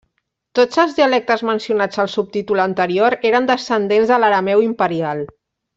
Tots els dialectes mencionats al subtítol anterior eren descendents de l'arameu imperial.